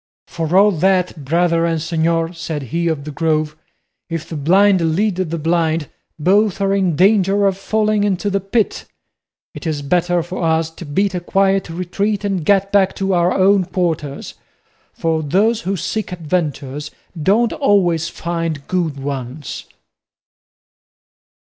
"For all that, brother and señor," said he of the Grove, "if the blind lead the blind, both are in danger of falling into the pit. It is better for us to beat a quiet retreat and get back to our own quarters; for those who seek adventures don't always find good ones."